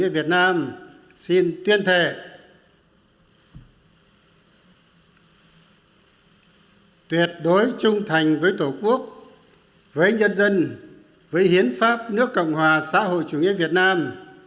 và xã hội chủ nghĩa việt nam